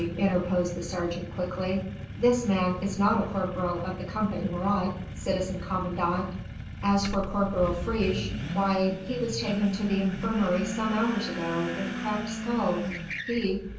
interposed the sergeant quickly, "this man is not a corporal of the Company Marat, citizen commandant. As for Corporal Friche, why! he was taken to the infirmary some hours ago with a cracked skull, he...."